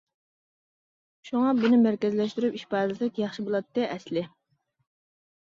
شۇڭا بۇنى مەركەزلەشتۈرۈپ ئىپادىلىسەك ياخشى بۇلاتتى ئەسلى.